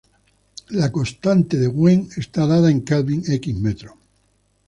La constante de Wien está dada en Kelvin x metro.